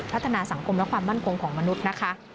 พัฒนาสังคมและความมั่นคงของมนุษย์นะคะ